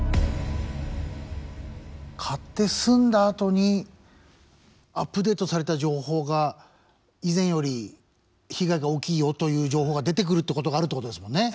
買って住んだあとにアップデートされた情報が以前より被害が大きいよという情報が出てくるってことがあるってことですもんね。